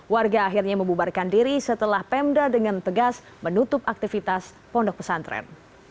warga akhirnya membubarkan diri setelah pemda dengan tegas menutup aktivitas pondok pesantren